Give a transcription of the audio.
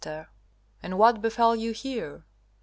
And what befell you here?